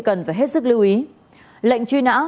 cần phải hết sức lưu ý lệnh truy nã